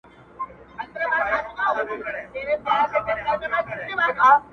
خپل پر ټولو فیصلو دستي پښېمان سو,